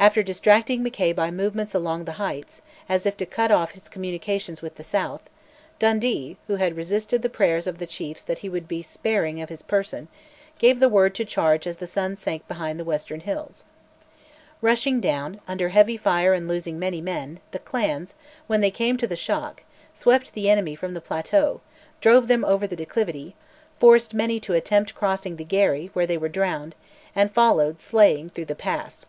After distracting Mackay by movements along the heights, as if to cut off his communications with the south, Dundee, who had resisted the prayers of the chiefs that he would be sparing of his person, gave the word to charge as the sun sank behind the western hills. Rushing down hill, under heavy fire and losing many men, the clans, when they came to the shock, swept the enemy from the plateau, drove them over the declivity, forced many to attempt crossing the Garry, where they were drowned, and followed, slaying, through the pass.